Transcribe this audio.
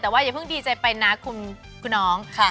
แต่อย่าเพิ่งดีใจไปนะคุณคุณองค์